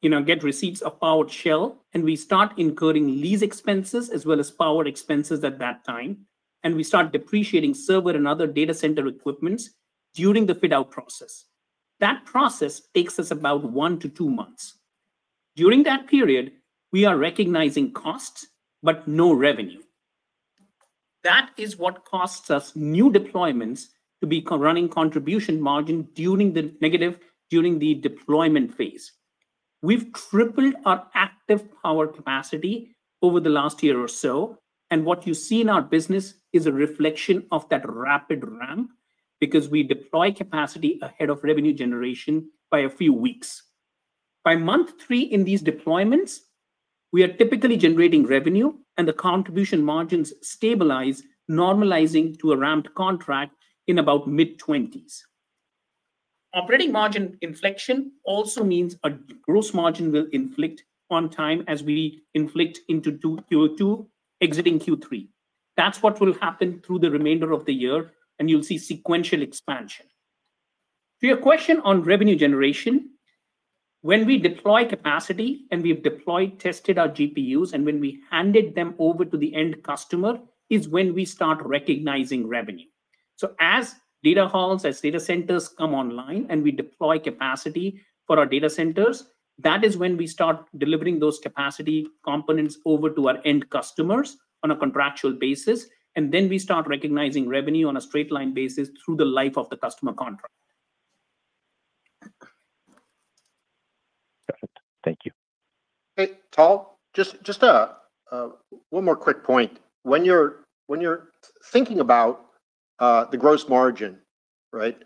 Speaker 4: you know, get receipts of powered shell, and we start incurring lease expenses as well as power expenses at that time, and we start depreciating server and other data center equipment during the fit-out process. That process takes us about one-two months. During that period, we are recognizing costs, but no revenue. That is what costs us new deployments to be running contribution margin during the negative, during the deployment phase. We've tripled our active power capacity over the last year or so, and what you see in our business is a reflection of that rapid ramp because we deploy capacity ahead of revenue generation by a few weeks. By month three in these deployments, we are typically generating revenue and the contribution margins stabilize, normalizing to a ramped contract in about mid-20s. Operating margin inflection also means a gross margin will inflect on time as we inflect into Q2 exiting Q3. That's what will happen through the remainder of the year, and you'll see sequential expansion. To your question on revenue generation, when we deploy capacity, and we've deployed, tested our GPUs, and when we handed them over to the end customer is when we start recognizing revenue. As data halls, as data centers come online and we deploy capacity for our data centers, that is when we start delivering those capacity components over to our end customers on a contractual basis, and then we start recognizing revenue on a straight line basis through the life of the customer contract.
Speaker 9: Perfect. Thank you.
Speaker 3: Hey, Tal. Just one more quick point. When you're thinking about the gross margin, right?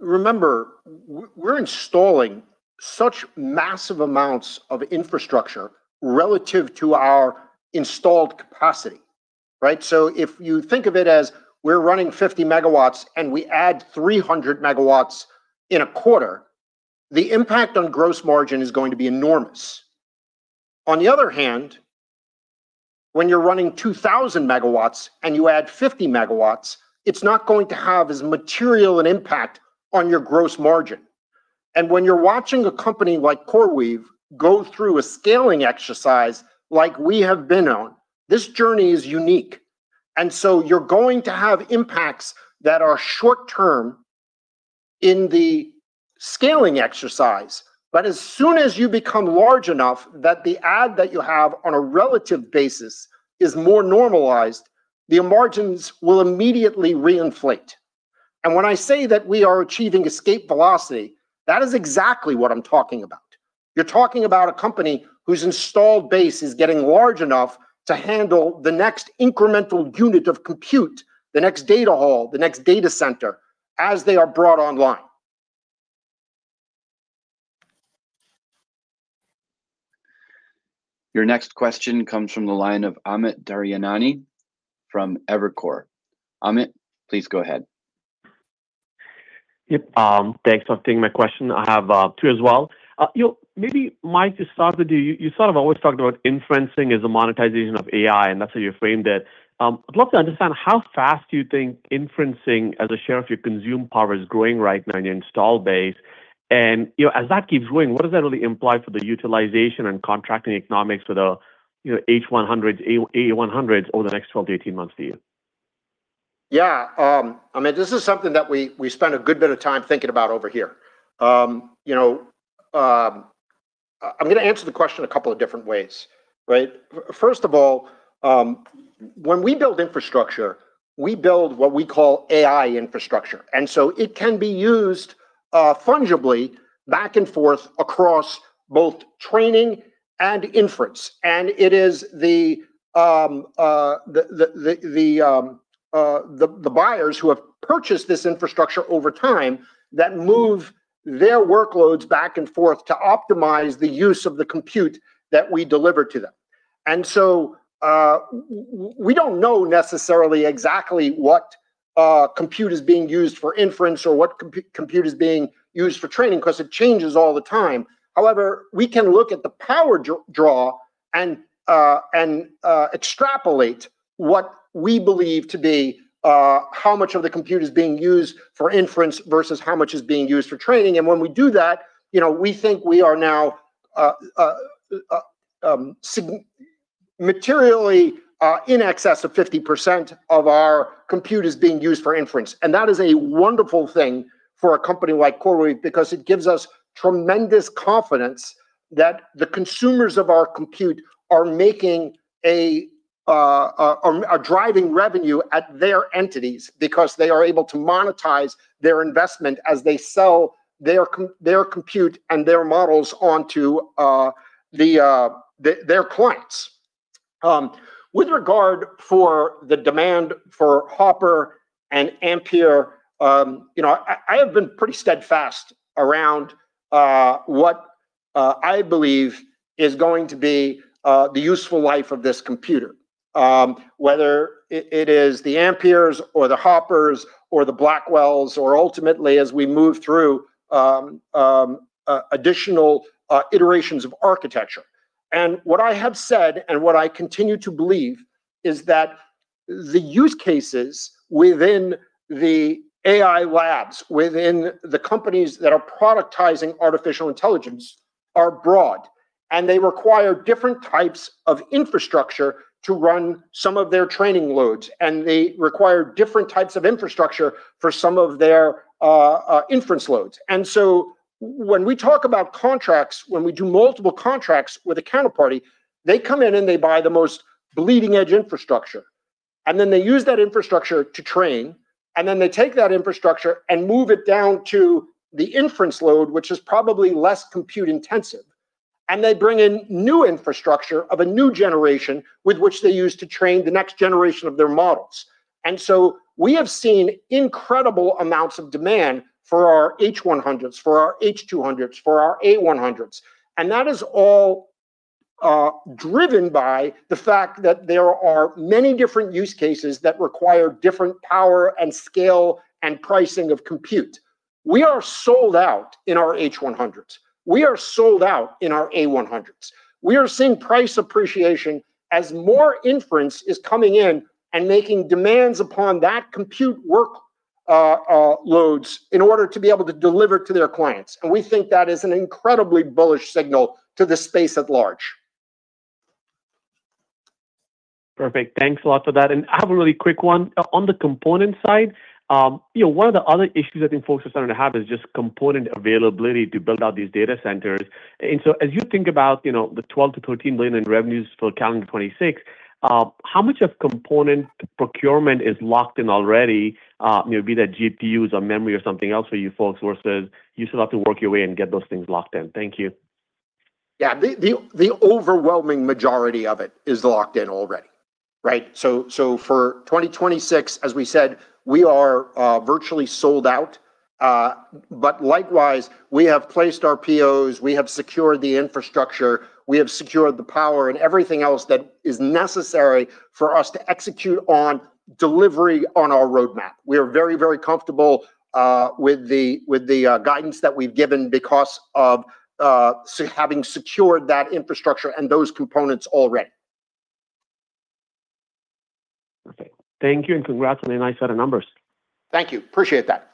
Speaker 3: Remember, we're installing such massive amounts of infrastructure relative to our installed capacity, right? If you think of it as we're running 50 MW and we add 300 MW in a quarter, the impact on gross margin is going to be enormous. On the other hand, when you're running 2,000 MW and you add 50 MW, it's not going to have as material an impact on your gross margin. When you're watching a company like CoreWeave go through a scaling exercise like we have been on, this journey is unique. You're going to have impacts that are short term in the scaling exercise. As soon as you become large enough that the ad that you have on a relative basis is more normalized, the margins will immediately reinflate. When I say that we are achieving escape velocity, that is exactly what I'm talking about. You're talking about a company whose installed base is getting large enough to handle the next incremental unit of compute, the next data hall, the next data center, as they are brought online.
Speaker 1: Your next question comes from the line of Amit Daryanani from Evercore. Amit, please go ahead.
Speaker 10: Yep. Thanks for taking my question. I have two as well. Maybe, Mike, to start with you sort of always talked about inferencing as the monetization of AI, and that's how you framed it. I'd love to understand how fast you think inferencing as a share of your consumed power is growing right now in your installed base. You know, as that keeps growing, what does that really imply for the utilization and contracting economics for the, you know, H100s, A100s over the next 12-18 months for you?
Speaker 3: Yeah. I mean, this is something that we spend a good bit of time thinking about over here. You know, I'm gonna answer the question a couple of different ways, right? First of all, when we build infrastructure, we build what we call AI infrastructure. It can be used fungibly back and forth across both training and inference. It is the buyers who have purchased this infrastructure over time that move their workloads back and forth to optimize the use of the compute that we deliver to them. We don't know necessarily exactly what compute is being used for inference or what compute is being used for training 'cause it changes all the time. However, we can look at the power draw and extrapolate what we believe to be how much of the compute is being used for inference versus how much is being used for training. When we do that, you know, we think we are now materially in excess of 50% of our compute is being used for inference. That is a wonderful thing for a company like CoreWeave because it gives us tremendous confidence that the consumers of our compute are driving revenue at their entities because they are able to monetize their investment as they sell their compute and their models onto their clients. With regard for the demand for Hopper and Ampere, you know, I have been pretty steadfast around what I believe is going to be the useful life of this computer. Whether it is the Amperes or the Hoppers or the Blackwells or ultimately as we move through additional iterations of architecture. What I have said and what I continue to believe is that the use cases within the AI labs, within the companies that are productizing artificial intelligence are broad, and they require different types of infrastructure to run some of their training loads. They require different types of infrastructure for some of their inference loads. When we talk about contracts, when we do multiple contracts with a counterparty, they come in and they buy the most bleeding-edge infrastructure. Then they use that infrastructure to train, and then they take that infrastructure and move it down to the inference load, which is probably less compute-intensive. They bring in new infrastructure of a new generation with which they use to train the next generation of their models. So we have seen incredible amounts of demand for our H100s, for our H200s, for our A100s. That is all driven by the fact that there are many different use cases that require different power and scale and pricing of compute. We are sold out in our H100s. We are sold out in our A100s. We are seeing price appreciation as more inference is coming in and making demands upon that compute workloads in order to be able to deliver to their clients. We think that is an incredibly bullish signal to the space at large.
Speaker 10: Perfect. Thanks a lot for that. I have a really quick one. On the component side, you know, one of the other issues I think folks are starting to have is just component availability to build out these data centers. As you think about, you know, the $12 billion-$13 billion in revenues for calendar 2026, how much of component procurement is locked in already, you know, be that GPUs or memory or something else for you folks versus you still have to work your way and get those things locked in? Thank you.
Speaker 3: Yeah. The overwhelming majority of it is locked in already, right? For 2026, as we said, we are virtually sold out. Likewise, we have placed our POs, we have secured the infrastructure, we have secured the power and everything else that is necessary for us to execute on delivery on our roadmap. We are very comfortable with the guidance that we've given because of having secured that infrastructure and those components already.
Speaker 10: Perfect. Thank you, and congrats on a nice set of numbers.
Speaker 3: Thank you. Appreciate that.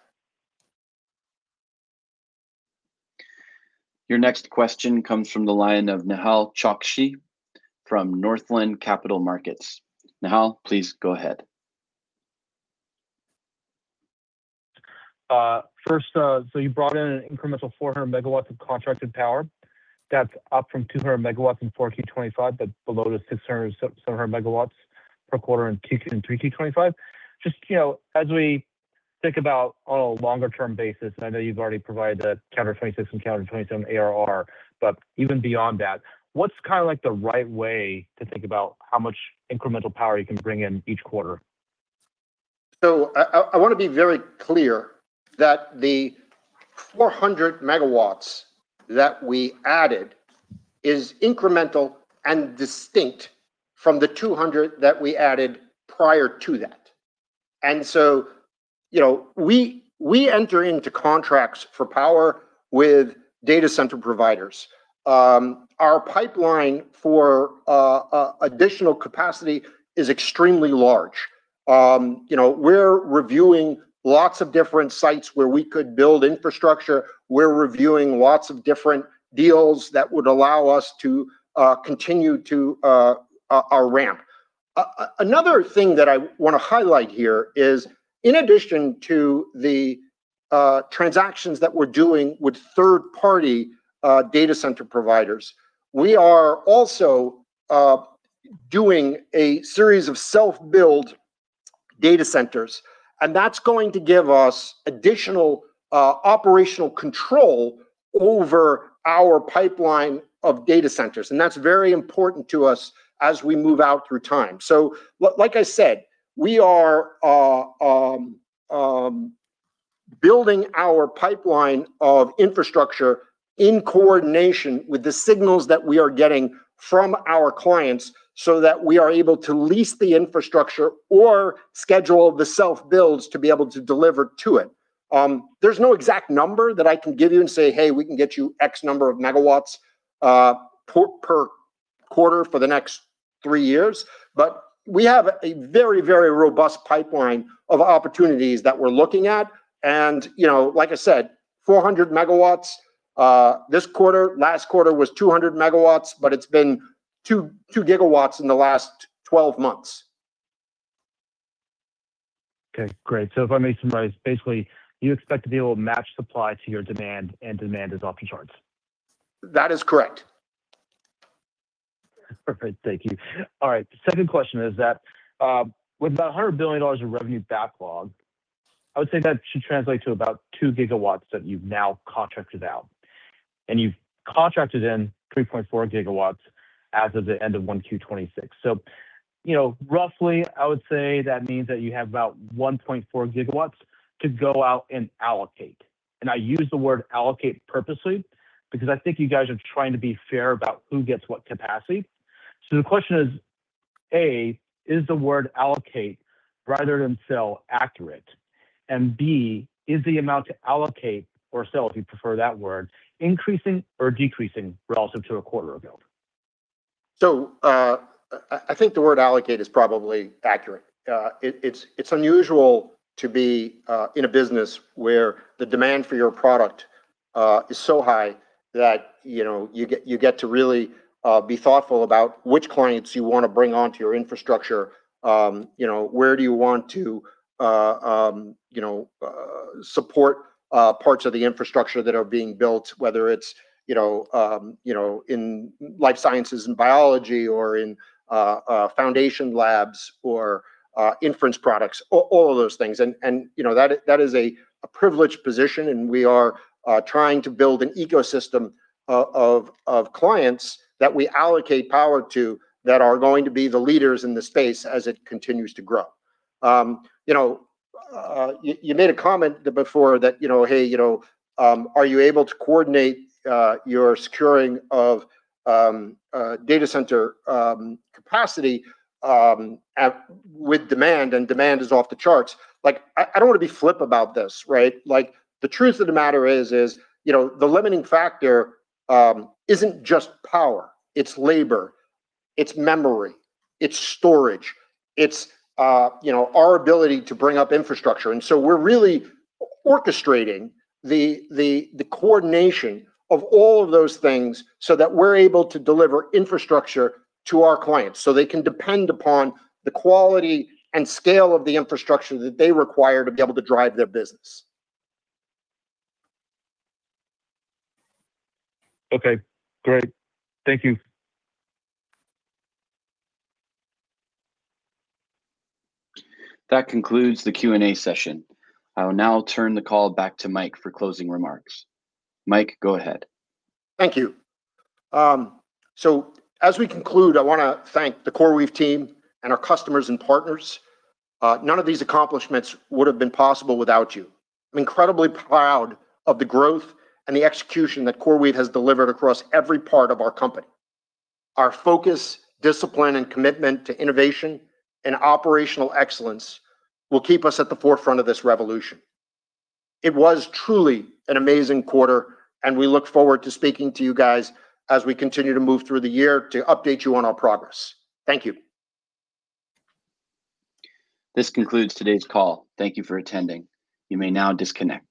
Speaker 1: Your next question comes from the line of Nehal Chokshi from Northland Capital Markets. Nehal, please go ahead.
Speaker 11: First, you brought in an incremental 400 MW of contracted power. That's up from 200 MW in 2Q 2025, but below the 600-700 MW per quarter in 2Q and 3Q 2025. Just, you know, think about on a longer term basis, and I know you've already provided the calendar 26 and calendar 27 ARR, but even beyond that, what's kind of like the right way to think about how much incremental power you can bring in each quarter?
Speaker 3: I wanna be very clear that the 400 MW that we added is incremental and distinct from the 200 that we added prior to that. You know, we enter into contracts for power with data center providers. Our pipeline for additional capacity is extremely large. You know, we're reviewing lots of different sites where we could build infrastructure. We're reviewing lots of different deals that would allow us to continue to our ramp. Another thing that I wanna highlight here is in addition to the transactions that we're doing with third party data center providers, we are also doing a series of self build data centers, and that's going to give us additional operational control over our pipeline of data centers. That's very important to us as we move out through time. Like I said, we are building our pipeline of infrastructure in coordination with the signals that we are getting from our clients so that we are able to lease the infrastructure or schedule the self builds to be able to deliver to it. There's no exact number that I can give you and say, "Hey, we can get you X number of megawatts per quarter for the next three years." We have a very, very robust pipeline of opportunities that we're looking at. You know, like I said, 400 MW this quarter. Last quarter was 200 MW. It's been 2 GW in the last 12 months.
Speaker 11: Okay, great. If I may summarize, basically you expect to be able to match supply to your demand, and demand is off the charts.
Speaker 3: That is correct.
Speaker 11: Perfect. Thank you. All right. Second question is that, with about $100 billion of revenue backlog, I would say that should translate to about 2 GW that you've now contracted out, and you've contracted in 3.4 GW as of the end of Q2 2026. You know, roughly, I would say that means that you have about 1.4 GW to go out and allocate. I use the word allocate purposely because I think you guys are trying to be fair about who gets what capacity. The question is, A, is the word allocate rather than sell accurate? And B, is the amount to allocate or sell, if you prefer that word, increasing or decreasing relative to a quarter ago?
Speaker 3: I think the word allocate is probably accurate. It's unusual to be in a business where the demand for your product is so high that, you know, you get to really be thoughtful about which clients you wanna bring onto your infrastructure. You know, where do you want to, you know, support parts of the infrastructure that are being built, whether it's, you know, you know, in life sciences and biology or in foundation labs or inference products, all of those things. You know, that is a privileged position, and we are trying to build an ecosystem of clients that we allocate power to that are going to be the leaders in the space as it continues to grow. You know, you made a comment before that, you know, hey, you know, are you able to coordinate your securing of data center capacity with demand and demand is off the charts. Like, I don't wanna be flip about this, right? Like the truth of the matter is, you know, the limiting factor isn't just power, it's labor, it's memory, it's storage, it's, you know, our ability to bring up infrastructure. We're really orchestrating the coordination of all of those things so that we're able to deliver infrastructure to our clients so they can depend upon the quality and scale of the infrastructure that they require to be able to drive their business.
Speaker 11: Okay, great. Thank you.
Speaker 1: That concludes the Q&A session. I will now turn the call back to Mike for closing remarks. Mike, go ahead.
Speaker 3: Thank you. As we conclude, I wanna thank the CoreWeave team and our customers and partners. None of these accomplishments would've been possible without you. I'm incredibly proud of the growth and the execution that CoreWeave has delivered across every part of our company. Our focus, discipline, and commitment to innovation and operational excellence will keep us at the forefront of this revolution. It was truly an amazing quarter, and we look forward to speaking to you guys as we continue to move through the year to update you on our progress. Thank you.
Speaker 1: This concludes today's call. Thank you for attending. You may now disconnect.